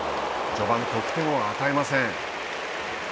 序盤、得点を与えません。